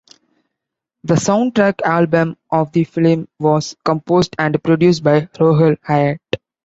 The soundtrack album of the film was composed and produced by Rohail Hyatt.